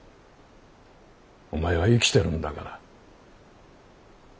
お前は生きてるんだから。